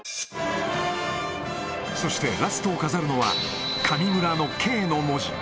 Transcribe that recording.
そして、ラストを飾るのは、神村のＫの文字。